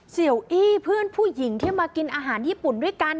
เสียวอี้เพื่อนผู้หญิงที่มากินอาหารญี่ปุ่นด้วยกัน